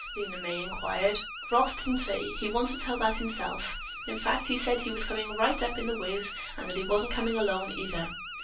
Lena May inquired. "Ralph didn't say. He wants to tell that himself. In fact, he said that he was coming right up in The Whizz and that he wasn't coming alone, either."